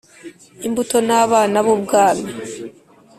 imbuto ni abana b ubwami